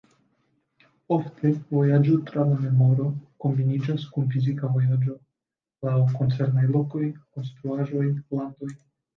Ofte, vojaĝo tra la memoro kombiniĝas kun fizika vojaĝo laŭ koncernaj lokoj, konstruaĵoj, landoj.